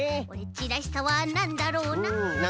ちらしさはなんだろうな。